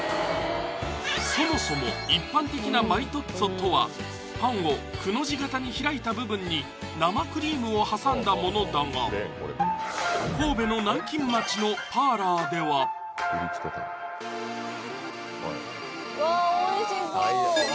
そもそも一般的なマリトッツォとはパンをくの字型に開いた部分に生クリームを挟んだものだが神戸の南京町のパーラーではうわ美味しそう！